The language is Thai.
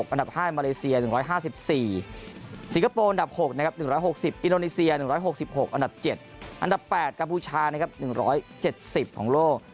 อันดับ๕มาเลเซีย๑๕๔สิงคโปร์อันดับ๖นะครับ๑๖๐อินโดนีเซีย๑๖๖อันดับ๗อันดับ๘กัมพูชานะครับ๑๗๐ของโลก